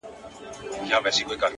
پيل كي وړه كيسه وه غـم نه وو؛